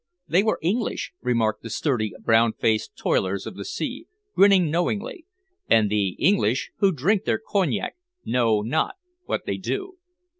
"They were English!" remarked the sturdy, brown faced toilers of the sea, grinning knowingly. "And the English, when they drink their cognac, know not what they do."